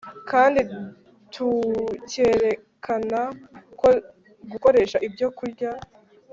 kandi tukerekana ko gukoresha ibyokurya